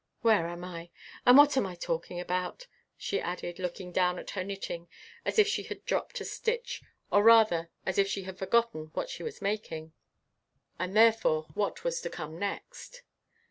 Where am I? and what am I talking about?" she added, looking down at her knitting as if she had dropped a stitch, or rather as if she had forgotten what she was making, and therefore what was to come next.